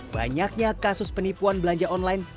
banyaknya kasus penipuan belanja online